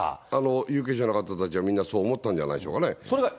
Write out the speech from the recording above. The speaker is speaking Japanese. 有権者の方たちはみんなそう思ったんじゃないでしょうかね。